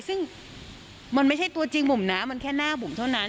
ซึ่งมันไม่ใช่ตัวจริงบุ๋มนะมันแค่หน้าบุ๋มเท่านั้น